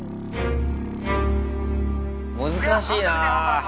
難しいなぁ。